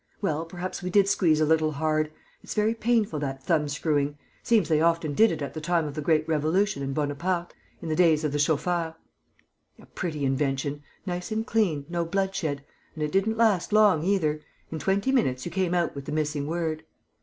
"Well, perhaps we did squeeze a little hard.... It's very painful, that thumbscrewing. Seems they often did it at the time of the Great Revolution and Bonaparte ... in the days of the chauffeurs.[C] A pretty invention! Nice and clean ... no bloodshed.... And it didn't last long either! In twenty minutes, you came out with the missing word!"